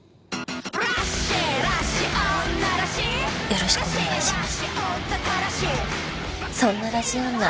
よろしくお願いします。